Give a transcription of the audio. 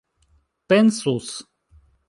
pensus